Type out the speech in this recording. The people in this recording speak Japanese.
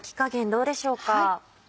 どうでしょうか？